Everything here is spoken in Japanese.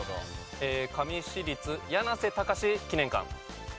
香美市立やなせたかし記念館。